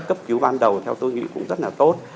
cấp cứu ban đầu theo tôi nghĩ cũng rất là tốt